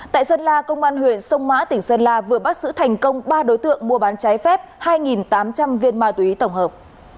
tại sơn la công an huyện sông mã tỉnh sơn la vừa bắt giữ thành công ba đối tượng mua bán trái phép hai tám trăm linh viên ma túy tổng hợp